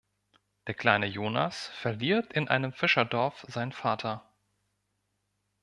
Der kleine Jonas verliert in einem Fischerdorf seinen Vater.